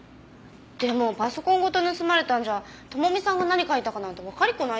でもパソコンごと盗まれたんじゃ智美さんが何書いたかなんてわかりっこないですよ。